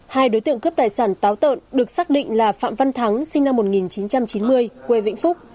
hai đối tượng cướp tài sản táo tợn được xác định là phạm văn thắng sinh năm một nghìn chín trăm chín mươi quê vĩnh phúc